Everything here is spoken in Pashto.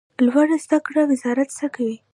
لوړو زده کړو وزارت څه کوي؟